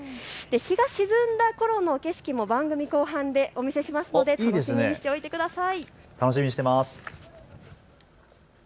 日が沈んだころの景色も番組後半でお見せしますので楽しみにしていてください。